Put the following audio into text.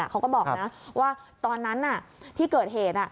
เขาก็บอกว่าตอนนั้นที่เกิดเหตุ